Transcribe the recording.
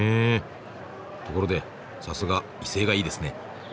ところでさすが威勢がいいですね。